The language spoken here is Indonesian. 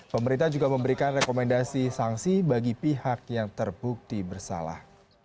pemerintah juga memberikan rekomendasi sanksi bagi pihak yang terbukti bersalah